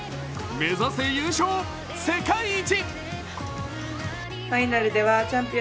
目指せ優勝、世界一。